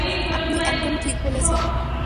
আপনি একদম ঠিক বলেছেন!